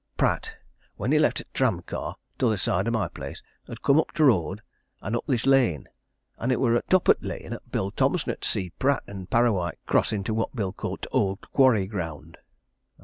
Pratt, when he left t' tram car, t' other side o' my place, 'ud come up t' road, and up this lane. And it wor at t' top o' t' lane 'at Bill Thomson see'd Pratt and Parrawhite cross into what Bill called t' owd quarry ground."